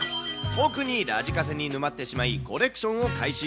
特にラジカセに沼ってしまい、コレクションを開始。